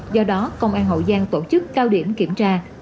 do đó công an hậu giang tổ chức cao điểm kiểm tra